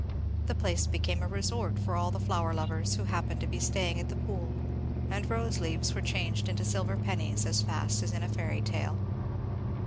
The place became a resort for all the flower lovers who happened to be staying at the Pool; and rose leaves were changed into silver pennies as fast as in a fairy tale.